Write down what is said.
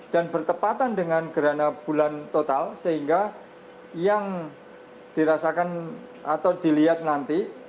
dan bertepatan dengan gerhana bulan total sehingga yang dirasakan atau dilihat nanti